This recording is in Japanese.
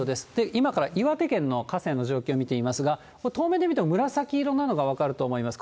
今から岩手県の河川の状況を見てみますが、遠目で見ても紫色なのが分かると思います。